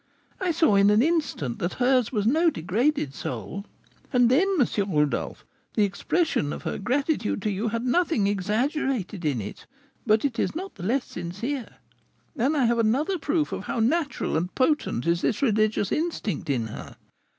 I saw in an instant that hers was no degraded soul. And then, M. Rodolph, the expression of her gratitude to you had nothing exaggerated in it; but it is not the less sincere. And I have another proof of how natural and potent is this religious instinct in her.